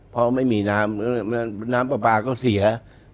เพราะไม่มีน้ำน้ำปลาปลาก็เสีย